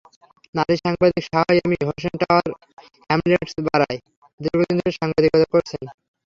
নারী সাংবাদিক Shah Ami Hossain Tower Hamlets বারায় দীর্ঘদিন ধরে সাংবাদিকতা করছেন।